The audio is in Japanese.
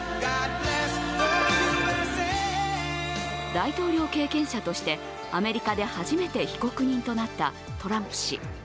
大統領経験者としてアメリカで初めて被告人となったトランプ氏。